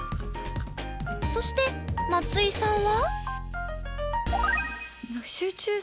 そして松井さんは。